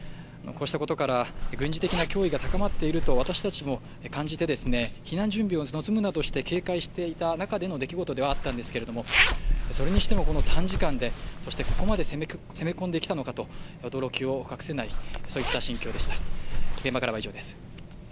こうしたことから軍事的な脅威が高まっていると私たちも感じて避難準備に臨むなどして警戒していた中での出来事ではあったんですけどもそれにしても短時間で、そしてここまで攻め込んできたのかと驚きを隠せない心境でした。